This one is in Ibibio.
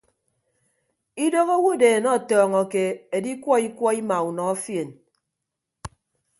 Idooho awodeen ọtọọñọke edikwọ ikwọ ima unọ fien.